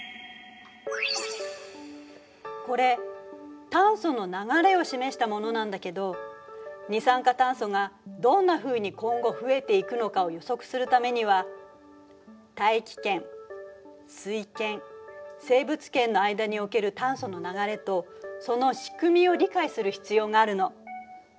これ炭素の流れを示したものなんだけど二酸化炭素がどんなふうに今後増えていくのかを予測するためには大気圏水圏生物圏の間における炭素の流れとその仕組みを理解する必要があるの。